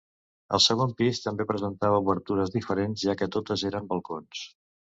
El segon pis també presentava obertures diferents, ja que totes eren balcons.